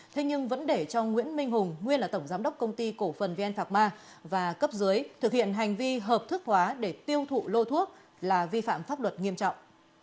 thế nhưng vẫn để cho nguyễn minh hùng nguyên là tổng giám đốc công ty cổ phần vn phạc ma và cấp dưới thực hiện hành vi hợp thức hóa để tiêu thụ lô thuốc là vi phạm pháp luật nghiêm trọng